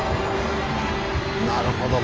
なるほど。